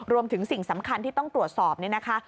รวมถึงสิ่งสำคัญที่ต้องตรวจสอบเนี่ยนะคะ